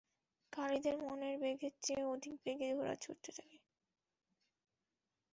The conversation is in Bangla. খালিদের মনের বেগের চেয়ে অধিক বেগে ঘোড়া ছুটতে থাকে।